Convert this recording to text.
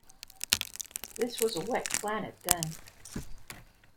This was a wet planet then.